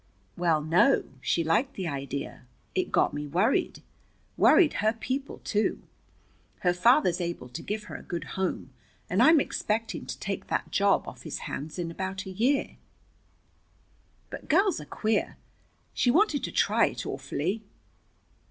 "Well, no, she liked the idea. It got me worried. Worried her people too. Her father's able to give her a good home, and I'm expecting to take that job off his hands in about a year. But girls are queer. She wanted to try it awfully."